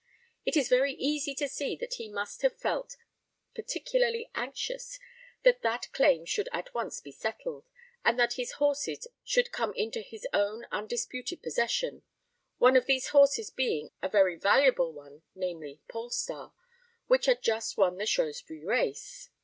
It is very easy to see that he must have felt particularly anxious that that claim should at once be settled, and that his horses should come into his own undisputed possession, one of these horses being a very valuable one, namely, Polestar, which had just won the Shrewsbury race.